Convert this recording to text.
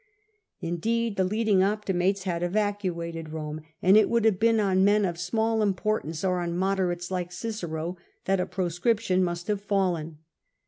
Indeed, the leading Optimates had evacuated Rome, and it would have been on men of small importance, or on moderates," like Cicero, that a proscription must have fallen.